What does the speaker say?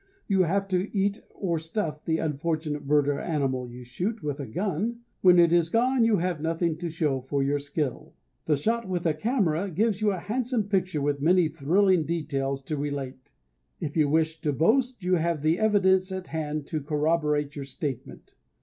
You have to eat or stuff the unfortunate bird or animal you shoot with a gun. When it is gone you have nothing to show for your skill. The shot with a camera gives you a handsome picture with many thrilling details to relate. If you wish to boast you have the evidence at hand to corroborate your statement.